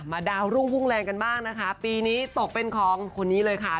ดาวรุ่งพุ่งแรงกันบ้างนะคะปีนี้ตกเป็นของคนนี้เลยค่ะ